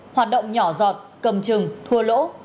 hoạt động nhỏ giọt cầm chừng thua lỗ